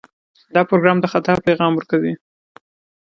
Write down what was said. دا پروګرام د خطا پیغام ورکوي.